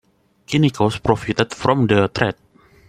Kynikos profited from the trade.